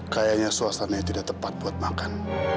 kayaknya suasananya tidak tepat buat makan